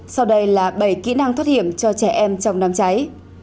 sau đây là bảy kỹ năng thoát hiểm cho trẻ em trong đám cháy